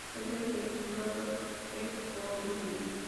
La sede de condado es Woodbine.